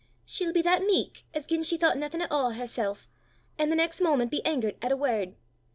She'll be that meek as gien she thoucht naething at a' o' hersel', an' the next moment be angert at a word.